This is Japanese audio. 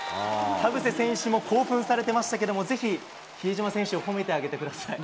田臥選手も興奮されてましたけど、ぜひ、比江島選手を褒めてあげてください。